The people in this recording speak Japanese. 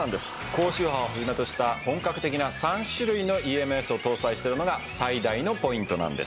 高周波を始めとした本格的な３種類のＥＭＳを搭載しているのが最大のポイントなんです。